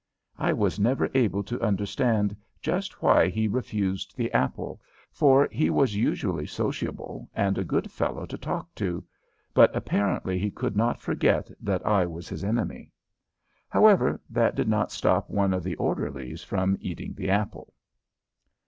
I was never able to understand just why he refused the apple, for he was usually sociable and a good fellow to talk to, but apparently he could not forget that I was his enemy. However, that did not stop one of the orderlies from eating the apple.